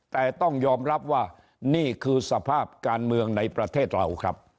แต่ต้องยอมรับว่านี่คือสภาพการเมืองในประเทศเราครับ